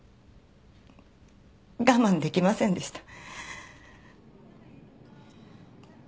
我慢出来ませんでした。